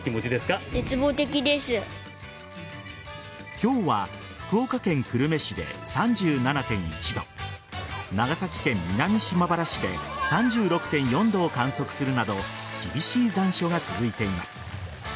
今日は福岡県久留米市で３７．１度長崎県南島原市で３６．４度を観測するなど厳しい残暑が続いています。